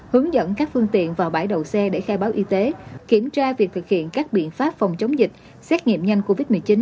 hướng dẫn các phương tiện vào bãi đậu xe để khai báo y tế kiểm tra việc thực hiện các biện pháp phòng chống dịch xét nghiệm nhanh covid một mươi chín